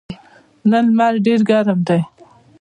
نن لمر ډېر ګرم ده.